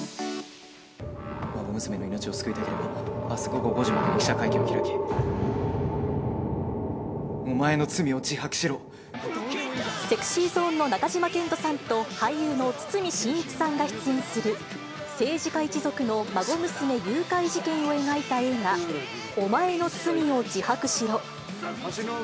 孫娘の命を救いたければ、あす午後５時までに記者会見を開き、ＳｅｘｙＺｏｎｅの中島健人さんと俳優の堤真一さんが出演する、政治家一族の孫娘誘拐事件を描いた映画、おまえの罪を自白しろ。